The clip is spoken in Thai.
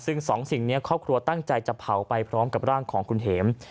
ซึ่งสองสิ่งนี้ครอบครัวตั้งใจจะเผาไปพร้อมกับร่างของคุณเห็ม